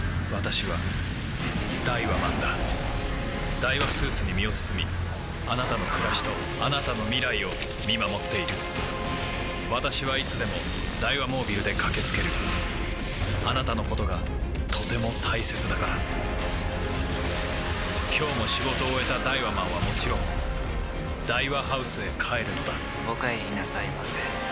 ダイワスーツに身を包みあなたの暮らしとあなたの未来を見守っている私はいつでもダイワモービルで駆け付けるあなたのことがとても大切だから今日も仕事を終えたダイワマンはもちろんダイワハウスへ帰るのだお帰りなさいませ。